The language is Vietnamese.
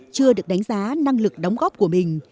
chưa được đánh giá năng lực đóng góp của mình